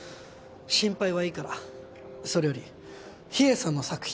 心配はいいからそれより秘影さんの作品見せてよ。